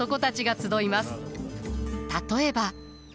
例えば。